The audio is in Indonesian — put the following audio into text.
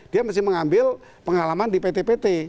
dia mesti mengambil pengalaman di pt pt